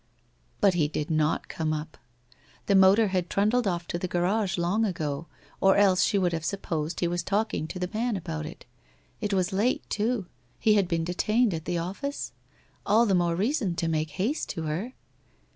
But he did not come up? The motor had trundled off to the garage long ago, or else she would have supposed he was talking to the man about it? It was late, too, he had been detained at the office? ... All the more reason to make haste to her